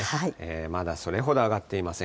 まだそれほど上がっていません。